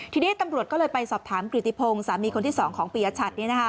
ทีนี้ตำรวจก็เลยไปสอบถามกริติพงศ์สามีคนที่๒ของปียชัด